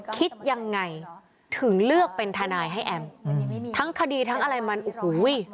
คิดยังไงถึงเลือกเป็นทนายให้แอมทั้งคดีทั้งอะไรมันโอ้โห